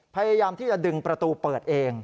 พยายามที่จะดึงประตูเปิดเอง